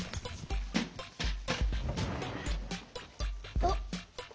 あっ！